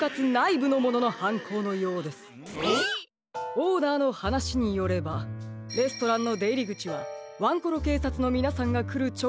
オーナーのはなしによればレストランのでいりぐちはワンコロけいさつのみなさんがくるちょ